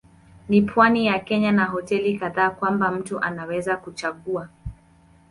Ni pwani ya Kenya na hoteli kadhaa kwamba mtu anaweza kuchagua.